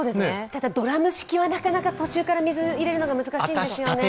ただドラム式はなかなか途中から水を入れるの難しいんですよね。